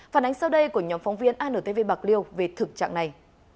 phản ánh sau đây của nhóm phóng viên antv bạc liêu về thực trạng này